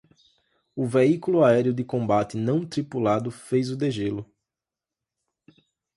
O veículo aéreo de combate não tripulado fez o degelo